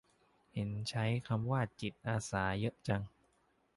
เห็นใช้คำว่า "จิตอาสา" เยอะจัง